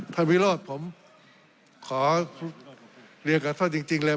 วิโรธผมขอเรียนกับท่านจริงเลย